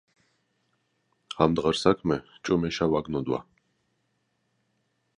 ამდღარ საქმე ჭუმეშა ვაგნო